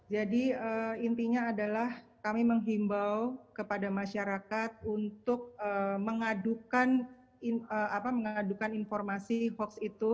jadi intinya adalah kami menghimbau kepada masyarakat untuk mengadukan informasi hoaks itu